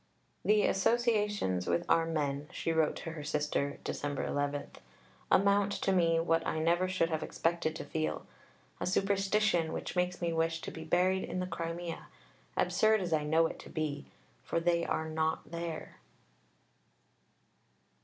"The associations with our men," she wrote to her sister (Dec. 11), "amount to me to what I never should have expected to feel a superstition, which makes me wish to be buried in the Crimea, absurd as I know it to be. _For they are not there.